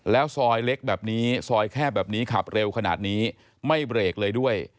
แล้วซอยเล็กแบบนี้ซอยแคบแบบนี้ขับเร็วขนาดนี้ไม่เบรกเลยด้วย